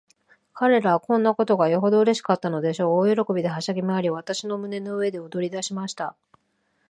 彼等はこんなことがよほどうれしかったのでしょう。大喜びで、はしゃぎまわり、私の胸の上で踊りだしました。